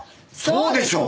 そうでしょ！